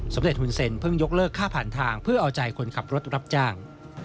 สมทนธุรษรเพิ่มยกเลิกค่าผ่านทางเพื่อเอาจ่ายคนขับรถรับจ้าง